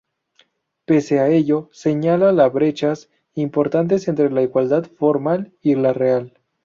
Pese a ello, señala la "brechas importantes entre la igualdad formal y la real.